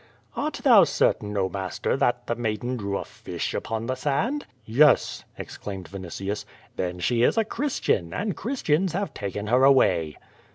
"Art thou certain, oh, master, that the maiden drew a fish upon the sand?" "Yes," exclaimed Vinitius. "Then she is a Christian, and Christians have taken her away."